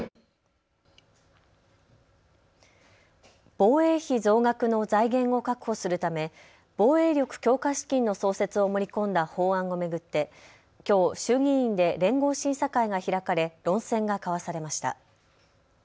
防衛費増額の財源を確保するため防衛力強化資金の創設を盛り込んだ法案を巡ってきょう衆議院で連合審査会が開かれ論戦が交わされました。